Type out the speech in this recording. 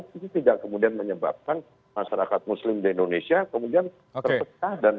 itu tidak kemudian menyebabkan masyarakat muslim di indonesia kemudian terpecah